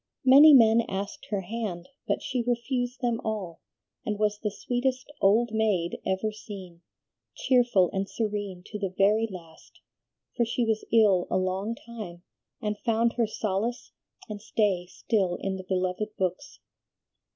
Many men asked her hand, but she refused them all, and was the sweetest 'old maid' ever seen, cheerful and serene to the very last, for she was ill a long time, and found her solace and stay still in the beloved books.